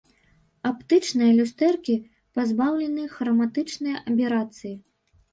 Аптычныя люстэркі пазбаўлены храматычнай аберацыі.